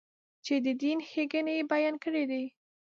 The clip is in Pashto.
چې د دین ښېګڼې یې بیان کړې دي.